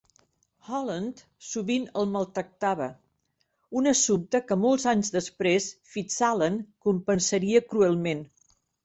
Holland sovint el maltractava, un assumpte que molts anys després FitzAlan compensaria cruelment.